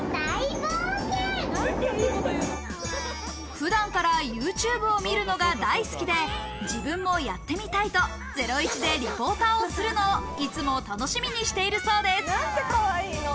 普段からＹｏｕＴｕｂｅを見るのが大好きで、自分もやってみたいと『ゼロイチ』でリポーターをするのをいつも楽しみにしているそうです。